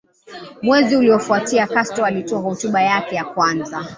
Mwezi uliofuatia Castro alitoa hotuba yake ya kwanza